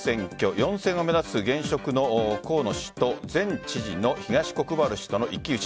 ４選を目指す現職の河野氏と前知事の東国原氏との一騎打ち。